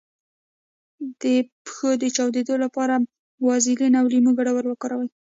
د پښو د چاودیدو لپاره د ویزلین او لیمو ګډول وکاروئ